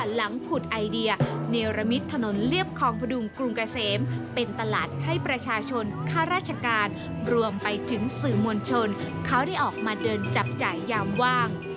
ผุดไอเดียเนรมิตถนนเรียบคลองพดุงกรุงเกษมเป็นตลาดให้ประชาชนข้าราชการรวมไปถึงสื่อมวลชนเขาได้ออกมาเดินจับจ่ายยามว่าง